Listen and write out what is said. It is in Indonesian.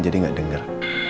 jadi gak denger